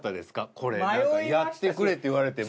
これなんかやってくれって言われても。